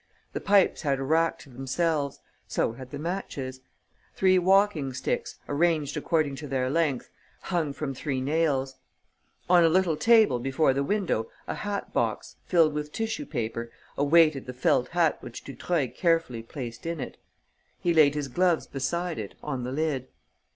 The pipes had a rack to themselves; so had the matches. Three walking sticks, arranged according to their length, hung from three nails. On a little table before the window a hat box, filled with tissue paper, awaited the felt hat which Dutreuil carefully placed in it. He laid his gloves beside it, on the lid.